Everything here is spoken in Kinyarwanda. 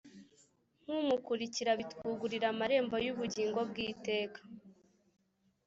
nkumukurikira bitwugururira amarembo y’ubugingo bw’iteka.